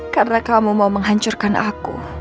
karena kamu mau menghancurkan ak